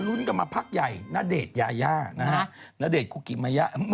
รุ้นกับมาพักใหญ่ณเดชยาย่านะฮะ